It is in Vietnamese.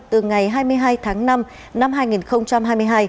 từ ngày hai mươi hai tháng năm năm hai nghìn hai mươi hai